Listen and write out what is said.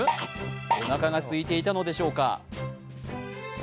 おなかがすいていたのでしょうか。